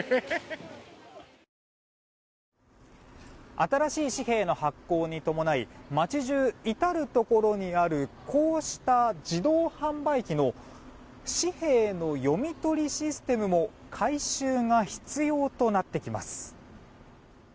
新しい紙幣の発行に伴い街中、至るところにあるこうした自動販売機の紙幣の読み取りシステムも改修が必要となってきます。